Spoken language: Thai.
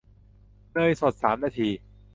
เนยสดสามนาที